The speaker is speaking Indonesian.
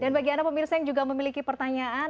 dan bagi anda pemirsa yang juga memiliki pertanyaan